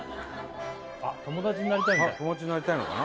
友達になりたいのかな？